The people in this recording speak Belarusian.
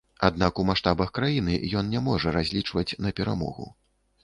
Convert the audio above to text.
Аднак у маштабах краіны ён не можа разлічваць на перамогу.